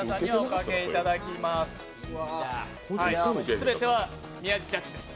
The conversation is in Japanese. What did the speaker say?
すべては宮地ジャッジです。